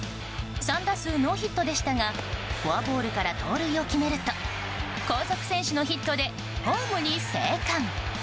３打数ノーヒットでしたがフォアボールから盗塁を決めると後続選手のヒットでホームに生還。